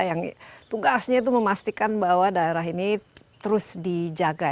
yang tugasnya itu memastikan bahwa daerah ini terus dijaga